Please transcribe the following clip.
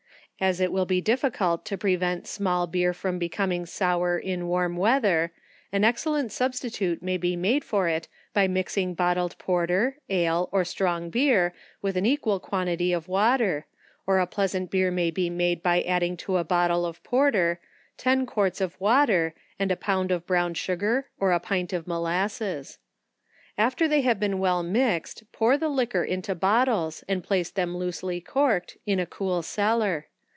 As it will be difficult to prevent small beer from becoming sour in warm weather, an excellent substitute may be made for it by mixing bottled porter, ale, or strong beer, with an equal quantity of water; or a pleasant beer may be made by adding to a bottle of porter ten quarts of water and a pound of brown sugar, or a pint of molasses. After they have been well mixed, pour the liquor into bottles and place them, loosely corked, in a cool cellar.